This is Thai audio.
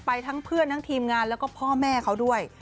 ทั้งเพื่อนทั้งทีมงานแล้วก็พ่อแม่เขาด้วย